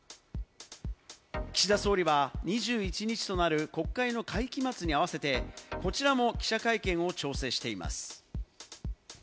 岸田総理は２１日となる国会の会期末に合わせて記者会見を調整しています。